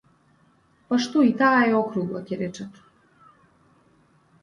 Па што, и таа е округла, ќе речат.